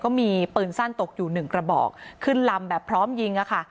ก็มีปืนสั้นตกอยู่หนึ่งกระบอกขึ้นลำแบบพร้อมยิงอะค่ะ